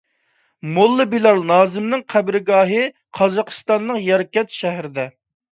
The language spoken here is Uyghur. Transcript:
موللا بىلال نازىمىنىڭ قەبرىگاھى قازاقسىتاننىڭ يەركەنت شەھىرىدە.